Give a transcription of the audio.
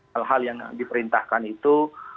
hal hal yang diperintahkan itu